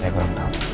saya kurang tahu